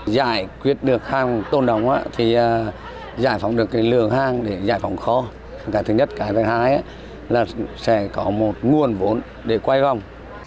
giải quyết được hãng tôn đồng thì giải phóng được lượng hãng để giải phóng khó cái thứ nhất cái thứ hai là sẽ có một nguồn vốn để quay vòng